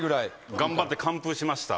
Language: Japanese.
頑張って完封しました。